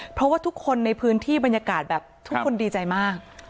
เพราะว่าทุกคนในพื้นที่บรรยากาศแบบทุกคนดีใจมาก